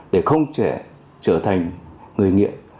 để không trẻ trở thành người nghiện